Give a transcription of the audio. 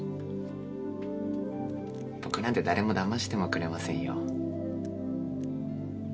僕なんて誰もだましてもくれませんよ。